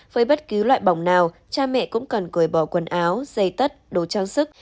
với bất cứ loại bỏng nào cha mẹ cũng cần cười bỏ quần áo dây tắt đồ trang sức